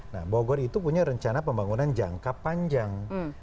nah bogor itu punya rencana pembangunan jangka panjang